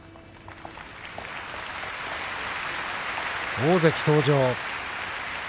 大関登場。